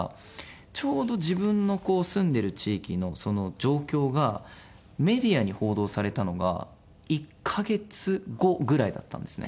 ちょうど自分の住んでる地域の状況がメディアに報道されたのが１カ月後ぐらいだったんですね。